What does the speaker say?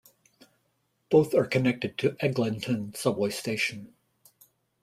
Both are connected to Eglinton subway station.